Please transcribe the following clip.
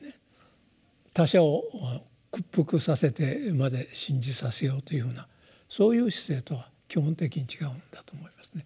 他者を屈服させてまで信じさせようというふうなそういう姿勢とは基本的に違うんだと思いますね。